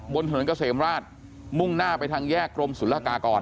บนถนนเกษมราชมุ่งหน้าไปทางแยกกรมศูนย์ระกาก่อน